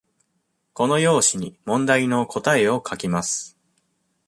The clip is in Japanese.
この用紙に問題の答えを書きます。